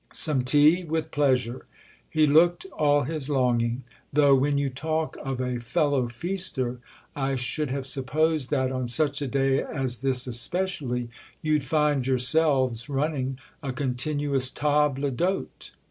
"Some tea, with pleasure"—he looked all his longing; "though when you talk of a fellow feaster I should have supposed that, on such a day as this especially, you'd find yourselves running a continuous table d'hôte."